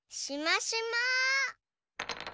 しましま。